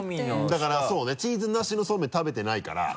だからそうねチーズなしのそうめん食べてないから。